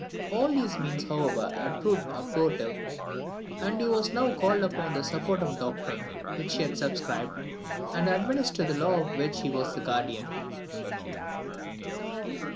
All these means, however, had proved abortive, and he was now called upon to support the doctrine which he had subscribed, and administer the law of which he was the guardian.